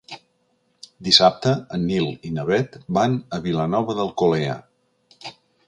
Dissabte en Nil i na Bet van a Vilanova d'Alcolea.